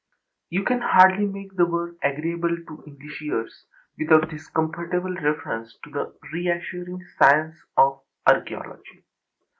You can hardly make the word agreeable to English ears without this comfortable reference to the reassuring science of archæology.